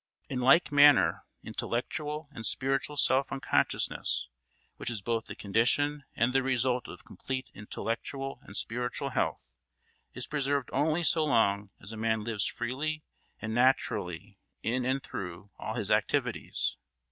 In like manner, intellectual and spiritual self unconsciousness, which is both the condition and the result of complete intellectual and spiritual health, is preserved only so long as a man lives freely and naturally in and through all his activities.